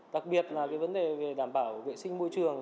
đặc biệt là cái vấn đề về đảm bảo vệ sinh môi trường